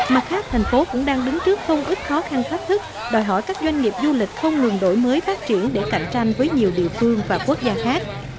mặt khác thành phố cũng đang đứng trước không ít khó khăn thách thức đòi hỏi các doanh nghiệp du lịch không ngừng đổi mới phát triển để cạnh tranh với nhiều địa phương và quốc gia khác